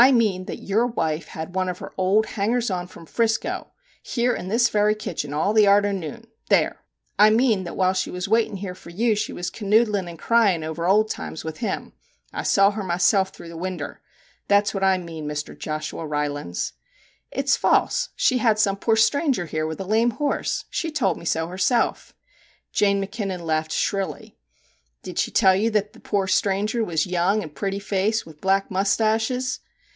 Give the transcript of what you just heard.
1 mean that your wife had one of her old hangers on from Frisco here in this very kitchen all the arter noon ; there ! I mean that whiles she was waitin' here for you she was canoodlin' and cryin' over old times with him ! I saw her myself through the winder. That 's what I mean, Mr. Joshua Rylands.' * It 's false ! She had some poor stranger here with a lame horse. She told me so herself/ Jane Mackinnon laughed shrilly. ' Did she tell you that the poor stranger was young and pretty faced, with black moustarches